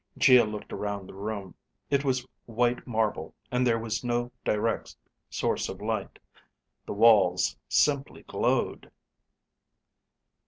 Geo looked around the room. It was white marble, and there was no direct source of light. The walls simply glowed.